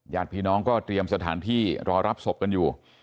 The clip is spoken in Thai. ญาติพี่น้องก็เตรียมสถานที่รอรับศพกันอยู่